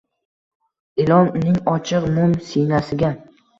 Ilon uning ochiq, mum siynasiga